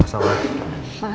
makasih ya sayang elsa